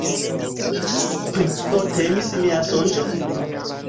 Pri kio temis mia sonĝo?